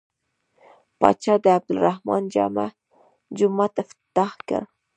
پاچا د عبدالرحمن جامع جومات افتتاح کړ.